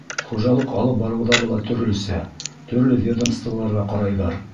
Хужалыҡ алып барыуҙары ла төрлөсә, төрлө ведомстволарға ҡарайҙар.